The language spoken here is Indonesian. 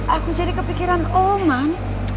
aku jadi kepikiran oman